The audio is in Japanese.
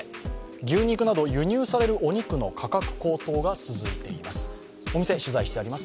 牛肉など輸入されるお肉の価格高騰が続いています。